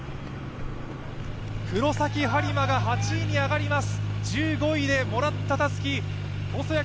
黒崎播磨が８位に上がります。